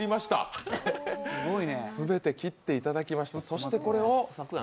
全て切っていただきました。